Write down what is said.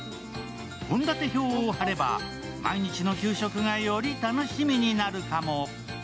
献立表を貼れば、毎日の給食がより楽しみになるかも。